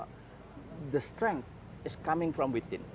kekuatan itu datang dari dalam